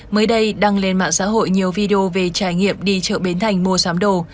mới đây đăng lên mạng xã hội nhiều video về trải nghiệm đi chợ bến thành mua sắm đồ